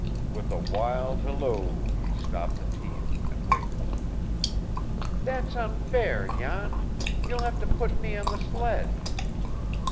With a wild halloo he stopped the team, and waited. "That's unfair, Jan! You'll have to put me on the sledge."